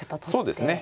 そうですね。